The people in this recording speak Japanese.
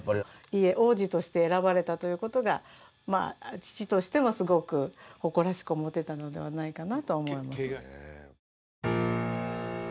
伊江王子として選ばれたという事が父としてもすごく誇らしく思ってたのではないかなと思います。